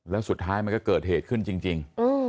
แล้วสุดท้ายมันก็เกิดเหตุขึ้นจริง